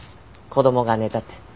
子供が寝たって。